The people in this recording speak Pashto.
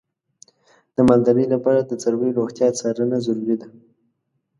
د مالدارۍ لپاره د څارویو روغتیا څارنه ضروري ده.